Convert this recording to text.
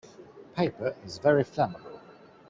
Paper is very flammable.